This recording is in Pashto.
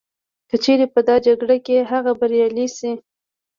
که چیري په دا جګړه کي هغه بریالی سي